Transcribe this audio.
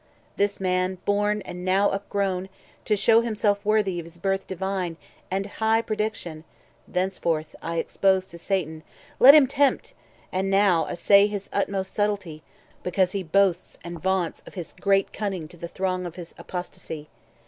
This Man, born and now upgrown, 140 To shew him worthy of his birth divine And high prediction, henceforth I expose To Satan; let him tempt, and now assay His utmost subtlety, because he boasts And vaunts of his great cunning to the throng Of his Apostasy.